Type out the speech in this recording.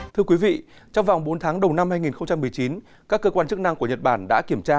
thưa quý vị trong vòng bốn tháng đầu năm hai nghìn một mươi chín các cơ quan chức năng của nhật bản đã kiểm tra